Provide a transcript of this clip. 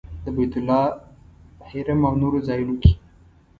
د بیت الله حرم او نورو ځایونو کې.